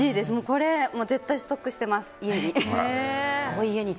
これ絶対ストックしてます家に。